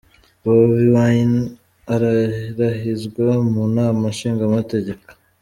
Bobi Wine ararahizwa mu nama nshingamateka.